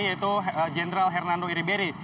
yaitu jenderal hernando iriberi